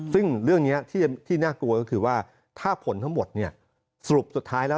ซึ่งเรื่องนี้ที่น่ากลัวก็คือว่าถ้าผลทั้งหมดสรุปสุดท้ายแล้ว